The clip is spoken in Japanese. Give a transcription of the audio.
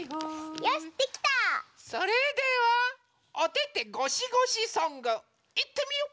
それでは「おててごしごしソング」いってみよ！